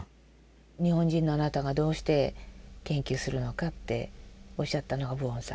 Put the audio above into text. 「日本人のあなたがどうして研究するのか？」っておっしゃったのはプオンさん？